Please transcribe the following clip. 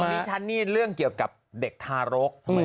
ทางนี้ชั้นนี่เรื่องเกี่ยวกับเด็กทารก